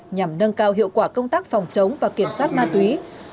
nhằm nâng cao hiệu quả công tác phòng chống và kiểm soát ma túy